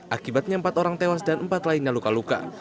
akibatnya empat orang tewas dan empat lainnya luka luka